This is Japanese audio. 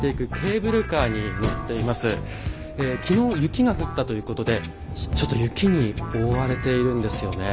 昨日雪が降ったということでちょっと雪に覆われているんですよね。